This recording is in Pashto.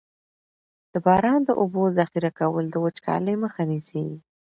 د باران د اوبو ذخیره کول د وچکالۍ مخه نیسي.